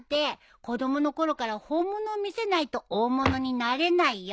子供の頃から本物を見せないと大物になれないよ。